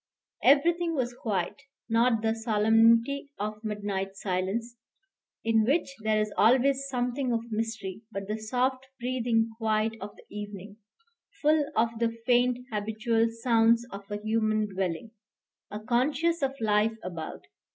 Everything was quiet, not the solemnity of midnight silence, in which there is always something of mystery, but the soft breathing quiet of the evening, full of the faint habitual sounds of a human dwelling, a consciousness of life about.